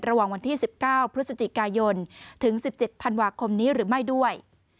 ระหว่างวันที่๑๙พฤศจิกายนถึง๑๗ธันวาคมนี้หรือไม่ด้วย